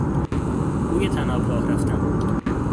روی طناب راه رفتن